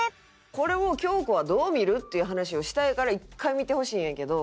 これを京子はどう見る？っていう話をしたいから１回見てほしいんやけど。